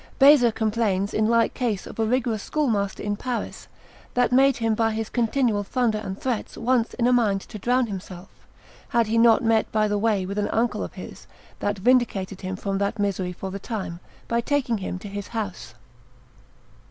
Beza complains in like case of a rigorous schoolmaster in Paris, that made him by his continual thunder and threats once in a mind to drown himself, had he not met by the way with an uncle of his that vindicated him from that misery for the time, by taking him to his house.